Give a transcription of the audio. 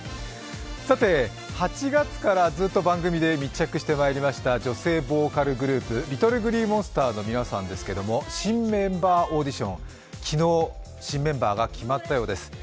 さて、８月からずっと番組で密着してまいりました女性ボーカルグループＬｉｔｔｌｅＧｌｅｅＭｏｎｓｔｅｒの皆さんですけれども、新メンバーオーディション昨日、新メンバーが決まったようです。